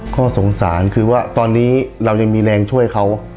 ข้อสงสารคือว่าตอนนี้เรายังมีแรงช่วยเขา